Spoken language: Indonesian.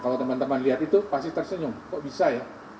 kalau teman teman lihat itu pasti tersenyum kok bisa ya